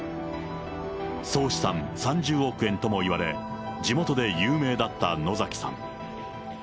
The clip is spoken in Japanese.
総資産３０億円とも言われ、地元で有名だった野崎さん。